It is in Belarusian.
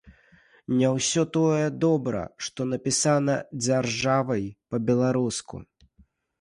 Не ўсё тое добра, што напісана дзяржавай па-беларуску.